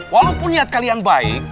walaupun niat kalian baik